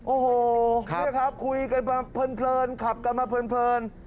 โอ้โหนี่ครับคุยกันเพลินขับกันมาเพลิน